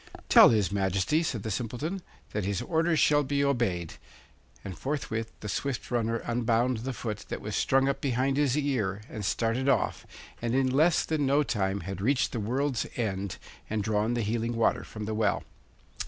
'Tell his Majesty,' said the Simpleton, 'that his orders shall be obeyed; 'and forthwith the swift runner unbound the foot that was strung up behind his ear and started off, and in less than no time had reached the world's end and drawn the healing water from the well.